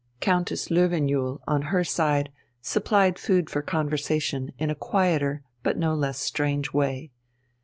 Countess Löwenjoul on her side supplied food for conversation in a quieter but no less strange way.